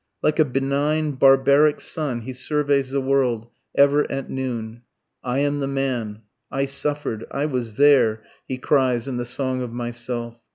Like a benign barbaric sun he surveys the world, ever at noon. I am the man, I suffer'd, I was there, he cries in the "Song of Myself."